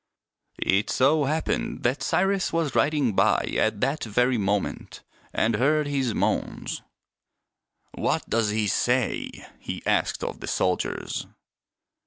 " It so happened that Cyrus was riding by at that very moment and heard his moans. " What does he say ?" he asked of the soldiers.